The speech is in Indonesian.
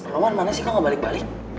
romana mana sih kok gak balik balik